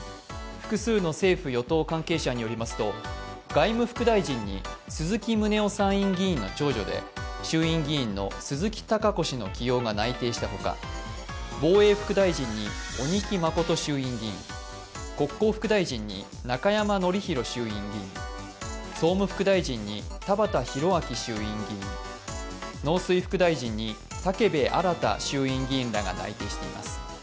複数の政府・与党関係者によりますと、外務副大臣に鈴木宗男参議院議員の長女で衆院議員の鈴木貴子氏の起用が内定した他、防衛副大臣に鬼木誠衆院議員国交副大臣に中山衆院議員、総務副大臣に田畑裕明衆議院議員農水副大臣に武部新衆院議員などが内定しています。